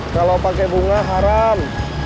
kalau pakai bunga haram